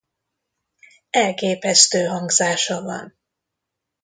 Elképesztő hangzása van.